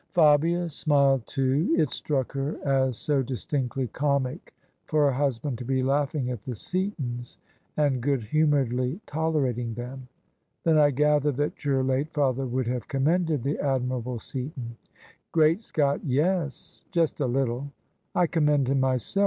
Fabia smiled too. It struck her as so distinctly comic for her husband to be laughing at the Seatons and good humouredly tolerating them. " Then I gather that your late father would have commended the admirable Seaton." " Great Scott, yes : just a little ! I commend him myself.